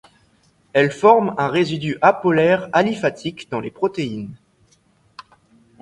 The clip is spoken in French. Elle forme un résidu apolaire aliphatique dans les protéines.